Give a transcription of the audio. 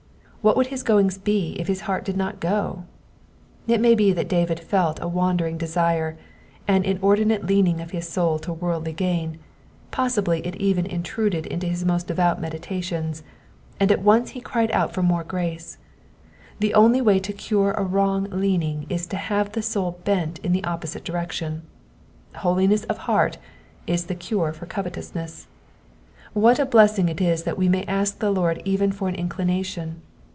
What would his goings be if his heart did not go ? It may be that David felt a wandering desire, an in ordinate leaning of his soul to worldly gain, — possibly it even intruded into his most devout meditations, and at once he cned out for more ^race. The only way to cure a %vrong leaning is to have the soul bent in the opposite direction. Holiness of heart is the cure for covetousness. What a blessing it is that we may ask the Lord even for an inclination.